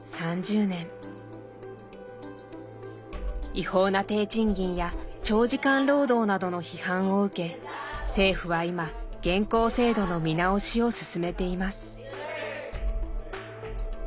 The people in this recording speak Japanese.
違法な低賃金や長時間労働などの批判を受け政府は今現行制度の見直しを進めています。